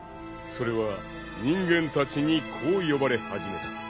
［それは人間たちにこう呼ばれ始めた］